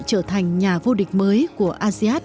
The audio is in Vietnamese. trở thành nhà vô địch mới của asean